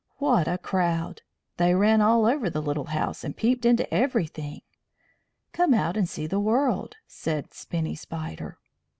What a crowd! They ran all over the little house and peeped into everything. "Come out and see the world," said Spinny Spider.